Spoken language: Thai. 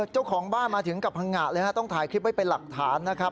เจ้าของบ้านมาถึงกับพังงะเลยฮะต้องถ่ายคลิปไว้เป็นหลักฐานนะครับ